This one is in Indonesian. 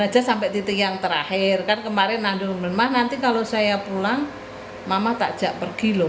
aja sampai titik yang terakhir kan kemarin mah nanti kalau saya pulang mama takjak pergi loh